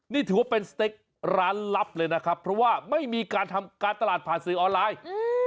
นี่ถือว่าเป็นสเต็กร้านลับเลยนะครับเพราะว่าไม่มีการทำการตลาดผ่านสื่อออนไลน์